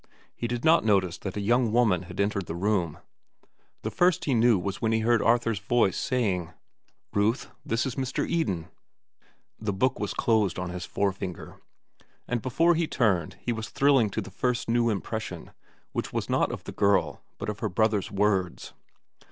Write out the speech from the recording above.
He did not notice that a young woman had entered the room. The first he knew was when he heard Arthur's voice saying: "Ruth, this is Mr. Eden." The book was closed on his forefinger, and before he turned he was thrilling to the first new impression, which was not of the girl, but of her brother's words.